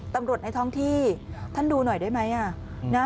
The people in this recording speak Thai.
ในท้องที่ท่านดูหน่อยได้ไหม